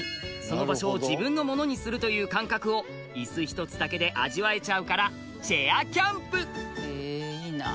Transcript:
その場所を自分のものにするという感覚をイス１つだけで味わえちゃうからチェアキャンプ！